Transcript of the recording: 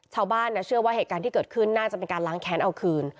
ชาวบ้านเชื่อว่าเหตุการณ์ที่เกิดขึ้นน่าจะเป็นการล้างแค้นเอาคืน